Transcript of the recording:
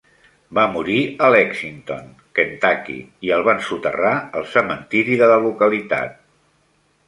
Va morir a Lexington (Kentucky) i el van soterrar al cementiri de la localitat.